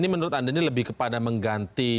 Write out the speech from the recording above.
ini menurut anda ini lebih kepada mengganti